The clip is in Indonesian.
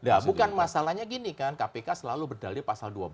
nah bukan masalahnya gini kan kpk selalu berdali pasal dua belas